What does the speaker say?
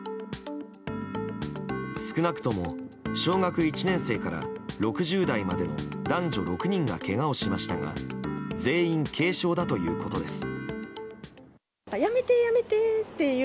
少なくとも小学１年生から６０代までの男女６人がけがをしましたが全員軽傷だということです。